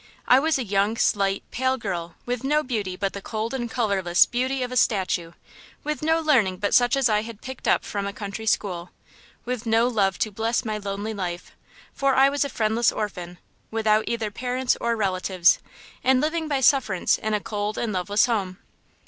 I was a young, slight, pale girl, with no beauty but the cold and colorless beauty of a statue; with no learning but such as I had picked up from a country school; with no love to bless my lonely life–for I was a friendless orphan, without either parents or relatives, and living by sufferance in a cold and loveless home."